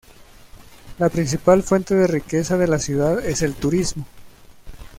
La principal fuente de riqueza de la ciudad es el turismo.